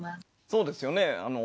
そうですよね。